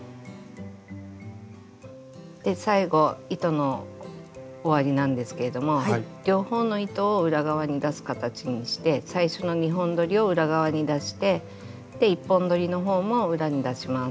で最後糸の終わりなんですけれども両方の糸を裏側に出す形にして最初の２本どりを裏側に出して１本どりの方も裏に出します。